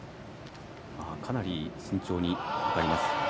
かなり慎重に測ります。